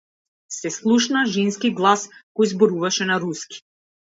Се слушна женски глас кој зборуваше на руски.